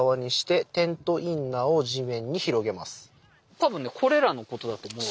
多分ねこれらのことだと思うよ。